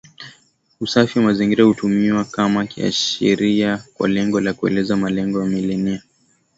Usafi wa mazingira hutumiwa kama kiashiria kwa lengo la kuelezea malengo ya Milenia